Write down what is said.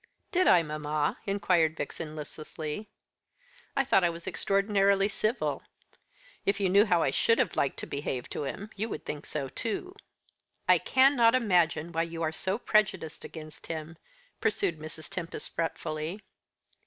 "Did I, mamma?" inquired Vixen listlessly. "I thought I was extraordinarily civil. If you knew how I should have liked to behave to him, you would think so too." "I can not imagine why you are so prejudiced against him," pursued Mrs. Tempest fretfully.